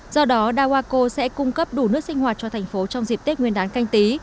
do đó dawako sẽ cung cấp đủ nước sinh hoạt cho thành phố trong dịp tết nguyên đán canh tí